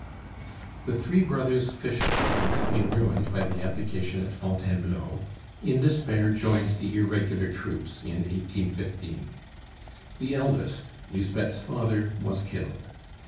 The three brothers Fischer, who had been ruined by the abdication at Fontainebleau, in despair joined the irregular troops in 1815. The eldest, Lisbeth's father, was killed.